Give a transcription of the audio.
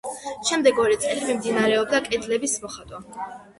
შემდეგი ორი წელი მიმდინარეობდა კედლების მოხატვა.